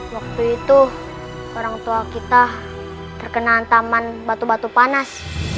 waktu itu orang tua kita terkena taman batu batu panas